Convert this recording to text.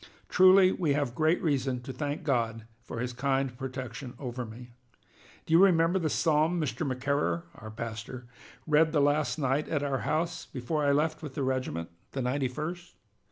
Truly we have great reason to thank God for his kind protection over me. Do you remember the Psalm Mr. McCarer [our pastor] read the last night at our house, before I left with the regiment, the ninety first?